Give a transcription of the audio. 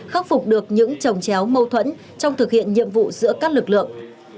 khắc phục được những trồng chéo mâu thuẫn trong thực hiện nhiệm vụ giữa các lực lượng